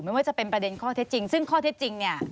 ไม่ว่าจะเป็นประเด็นข้อเท็จจริงซึ่งข้อเท็จจริงเนี่ย